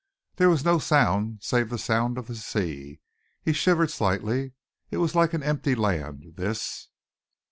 There was no sound save the sound of the sea. He shivered slightly. It was like an empty land, this.